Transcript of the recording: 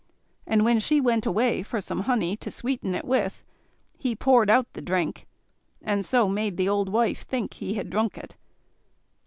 And when she went away for some honey to sweeten it with, he poured out the drink, and so made the old wife think he had drunk it.